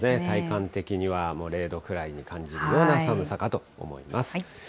体感的には０度くらいに感じるような寒さかと思います。